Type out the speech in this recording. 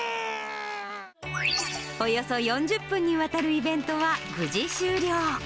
およそ４０分にわたるイベントは、無事終了。